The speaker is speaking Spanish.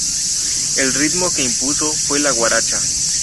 El ritmo que impuso fue la guaracha.